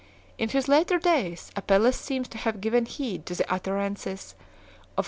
In his later days Apelles seems to have given heed to the utterances 1 B. F.